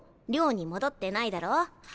寮に戻ってないだろ。